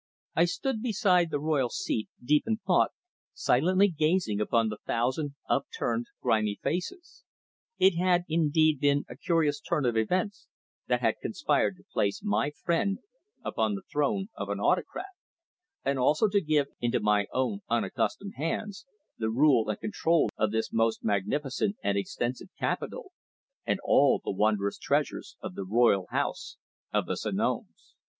I stood beside the royal seat, deep in thought, silently gazing upon the thousand upturned, grimy faces. It had indeed been a curious turn of events that had conspired to place my friend upon the throne of an autocrat, and also to give, into my own unaccustomed hands, the rule and control of this most magnificent and extensive capital, and all the wondrous treasures of the royal house of the Sanoms.